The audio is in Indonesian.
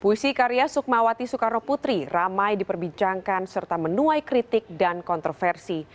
puisi karya sukmawati soekarno putri ramai diperbincangkan serta menuai kritik dan kontroversi